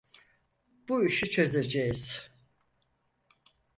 Bu işi çözeceğiz.